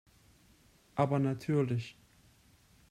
Aber natürlich.